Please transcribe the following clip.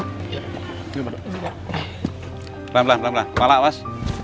pelan pelan pelan pelan kepala awas